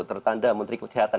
tertanda menteri kesehatan